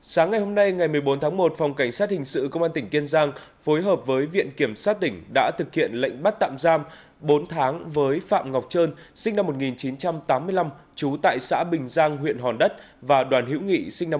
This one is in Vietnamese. sáng ngày hôm nay ngày một mươi bốn tháng một phòng cảnh sát hình sự công an tỉnh kiên giang phối hợp với viện kiểm sát tỉnh đã thực hiện lệnh bắt tạm giam bốn tháng với phạm ngọc trơn sinh năm một nghìn chín trăm tám mươi năm trú tại xã bình giang huyện hòn đất và đoàn hiễu nghị sinh năm một nghìn chín trăm tám mươi